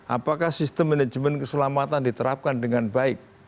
apakah sistem manajemen keselamatan diterapkan dengan baik